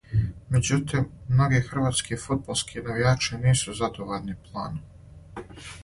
Међутим, многи хрватски фудбалски навијачи нису задовољни планом.